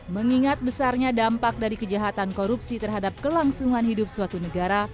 mengingat besarnya dampak dari kejahatan korupsi terhadap kelangsungan hidup suatu negara